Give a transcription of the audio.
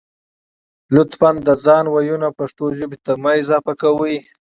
لطفاً د ځانه وييونه پښتو ژبې ته مه اضافه کوئ